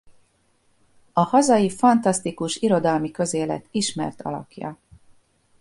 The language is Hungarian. A hazai fantasztikus irodalmi közélet ismert alakja.